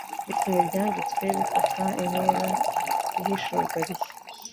bituma Ibyanditswe bifata intera y'ihishurwa rishya.